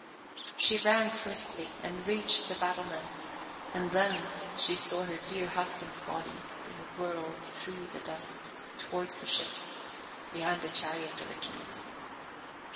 She ran swiftly, and reached the battlements, and thence she saw her dear husband's body being whirled through the dust towards the ships, behind the chariot of Achilles.